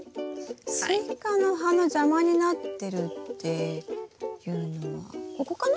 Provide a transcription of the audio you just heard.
スイカの葉の邪魔になってるっていうのはここかな？